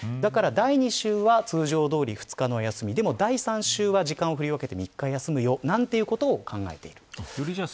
だから第２週は通常どおり２日目休みだけど、第３週は時間を振り分けて３日休むよということを考えている。